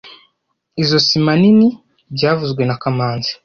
Izo sima nini, byavuzwe na kamanzi